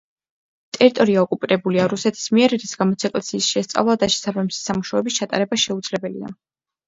ტერიტორია ოკუპირებულია რუსეთის მიერ, რის გამოც ეკლესიის შესწავლა და შესაბამისი სამუშაოების ჩატარება შეუძლებელია.